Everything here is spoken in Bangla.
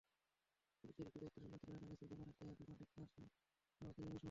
পুলিশের একটি দায়িত্বশীল সূত্রে জানা গেছে, দেলোয়ারের চায়ের দোকানটি থানার সীমানাপ্রাচীরের সঙ্গেই।